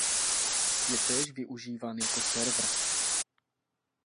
Je též využíván jako server.